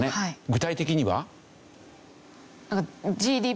具体的には？